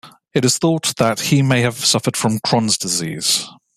It is thought that he may have suffered from Crohn's disease.